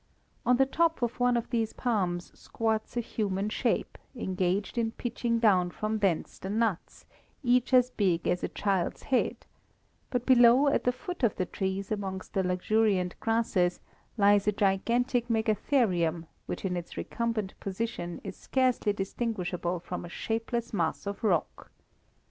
On the top of one of these palms squats a human shape, engaged in pitching down from thence the nuts, each as big as a child's head; but below, at the foot of the trees, amongst the luxuriant grasses, lies a gigantic megatherium, which in its recumbent position is scarcely distinguishable from a shapeless mass of rock.